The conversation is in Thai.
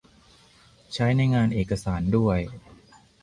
ใช้ในงานเอกสารด้วย